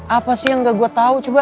apa sih yang gak gue tau coba